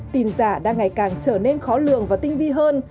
tin giả đang ngày càng trở nên khó lường và tinh vi hơn